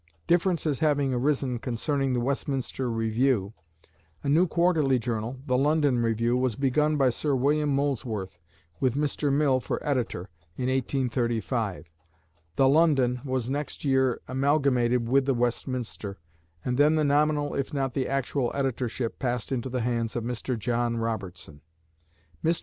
Differences having arisen concerning "The Westminster Review," a new quarterly journal "The London Review" was begun by Sir William Molesworth, with Mr. Mill for editor, in 1835. "The London" was next year amalgamated with "The Westminster," and then the nominal if not the actual editorship passed into the hands of Mr. John Robertson. Mr.